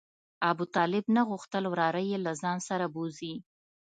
ابوطالب نه غوښتل وراره یې له ځان سره بوځي.